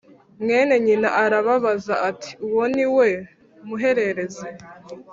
Mwene nyina arababaza ati Uwo ni we muhererezi‽